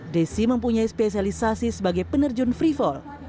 desi mempunyai spesialisasi sebagai penerjun free fall